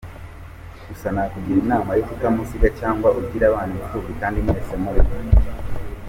Gusa nakugirinama yo kutamusiga cg ugire abana iphubyi kandi mwese muriho.